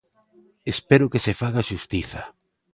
Espero que se faga xustiza.